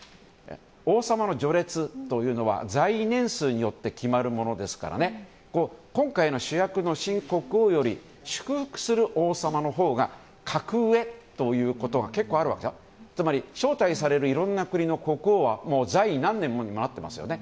王様の序列というのは在位年数によって決まるものですから今回の主役の新国王より祝福する王様のほうが格上ということでつまり、招待される国の国王はもう在位何年にもなっていますよね。